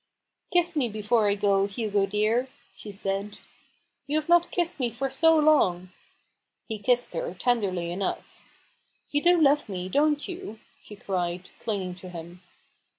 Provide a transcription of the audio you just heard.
11 Kiss me before I go, Hugo dear," she said. 11 You have not kissed me for so long !" He kissed her, tenderly enough. " You do love me, don't you ?" she cried, clinging to him.